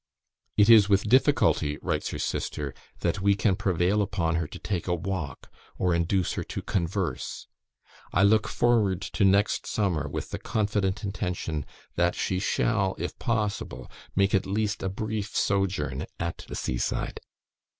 "It is with difficulty," writes her sister, "that we can prevail upon her to take a walk, or induce her to converse. I look forward to next summer with the confident intention that she shall, if possible, make at least a brief sojourn at the sea side."